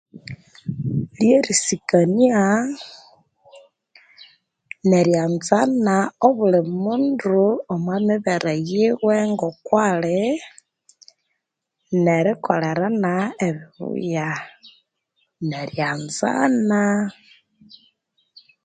Lyerisikanya neriyanzana obuli mundu omwa nibeere yiwe ngoku ali nerikolerana ebibuya neri anzanaa